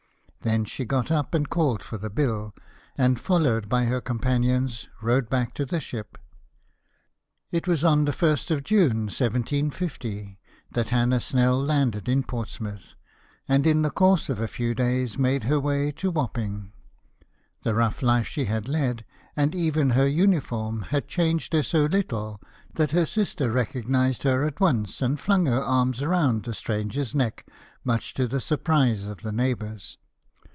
Then she got up and called for the bill, and followed by her companions, rowed back to the ship. It was on June 1, 1750, that Hannah Snell landed in Portsmouth, and in the course of a few days made her way to Wapping. The rough life she had led, and even her uniform, had changed her so little that her sister recognised her at once, and flung her arms round the stranger's neck, much to the surprise of the neighbours.